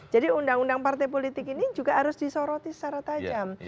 jadi undang undang partai politik ini juga harus disoroti secara tajam